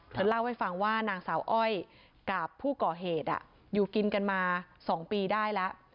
เธอเล่าให้ฟังว่านางสาวอ้อยกับผู้ก่อเหตุอยู่กินกันมา๒ปีได้แล้ว